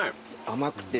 甘くて。